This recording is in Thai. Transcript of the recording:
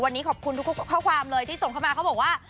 วันนี้ขอบคุณทุกข้อความเลยที่ส่งเข้ามาเขาบอกว่า